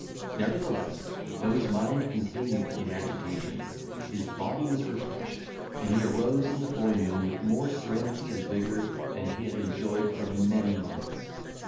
Nevertheless, though his mind continued in agitation, his body was refreshed, and he arose in the forenoon with more serenity and vigour than he had enjoyed for many months.